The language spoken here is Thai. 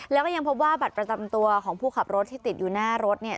แล้วก็ยังพบว่าบัตรประจำตัวของผู้ขับรถที่ติดอยู่หน้ารถเนี่ย